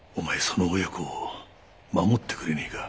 その親子を守ってくれねえか？